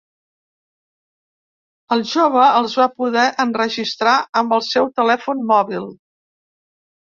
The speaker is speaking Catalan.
El jove els va poder enregistrar amb el seu telèfon mòbil.